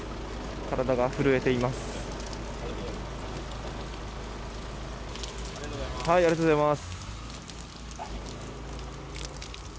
体が震えています。